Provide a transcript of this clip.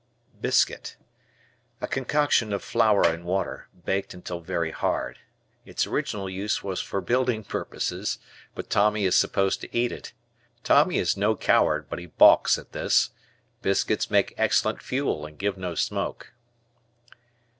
Biscuit. A concoction of flour and water, baked until very hard. Its original use was for building purposes, but Tommy is supposed to eat it. Tommy is no coward but he balks at this. Biscuits make excellent fuel, and give no smoke.